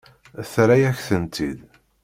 Terra-yak-tent-id.